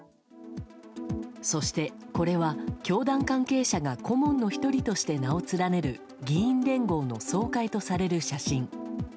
そして、これは教団関係者が顧問の１人として名を連ねる議員連合の総会とされる写真。